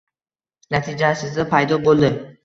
natijasida paydo bo‘ldi